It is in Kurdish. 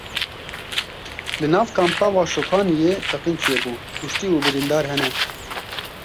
Li nav Kampa Waşûkaniyê teqîn çêbû kuştî û birîndar hene.